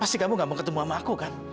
pasti kamu gak mau ketemu sama aku kan